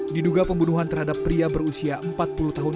diduga pembunuhan terhadap pria berusia empat puluh tahun